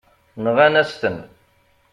Nɣan-as-ten.